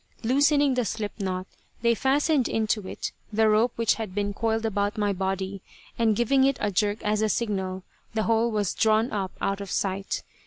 Loosening the slip knot they fastened into it the rope which had been coiled about my body, and giving it a jerk as a signal the whole was drawn up out of sight.